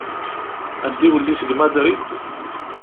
Ad d-iwelli seg Madrid?